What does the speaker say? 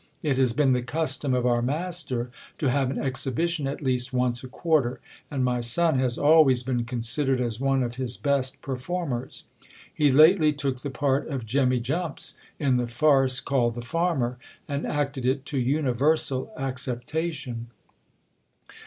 It has been the custom of our master to have an exhi bition at least once a quarter ; and my son has always been considered as one of his best performers. He lately took the part of Jemmy Jumps, in the farce called The Farmer, and acted it to universal acceptation.